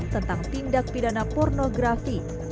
tentang tindak pidana pornografi